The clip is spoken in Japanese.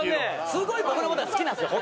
すごい僕の事が好きなんですよ